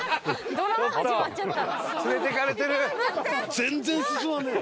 全然進まねえよ。